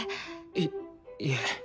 いいえ。